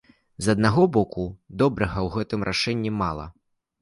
З аднаго боку, добрага ў гэтым рашэнні мала.